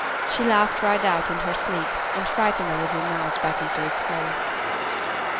She laughed right out in her sleep, and frightened a little mouse back into its hole.